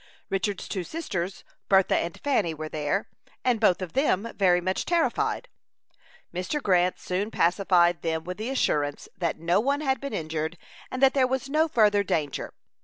Richard's two sisters, Bertha and Fanny, were there, and both of them very much terrified. Mr. Grant soon pacified them with the assurance that no one had been injured, and that there was no further danger.